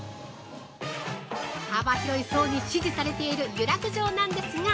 幅広い層に支持されている湯楽城なんですが！